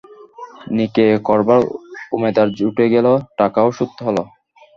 নিকে করবার উমেদার জুটে গেল, টাকাও শোধ হল।